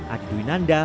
adi dwi nanda